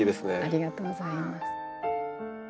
ありがとうございます。